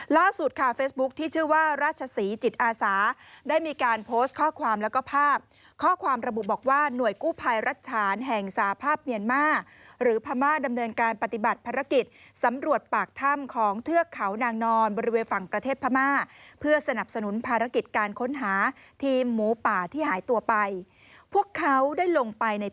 ล่าสุดค่ะเฟซบุ๊คที่ชื่อว่าราชศรีจิตอาสาได้มีการโพสต์ข้อความแล้วก็ภาพข้อความระบุบอกว่าหน่วยกู้ภัยรัฐฉานแห่งสาภาพเมียนมาหรือพม่าดำเนินการปฏิบัติภารกิจสำรวจปากถ้ำของเทือกเขานางนอนบริเวณฝั่งประเทศพม่าเพื่อสนับสนุนภารกิจการค้นหาทีมหมูป่าที่หายตัวไปพวกเขาได้ลงไปใน